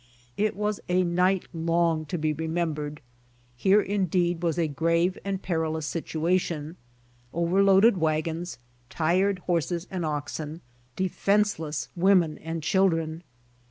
It was a night long to be remembered. Here indeed was a grave and perilous situation — overloaded wagons, tired horses and oxen, defenseless w«men and children.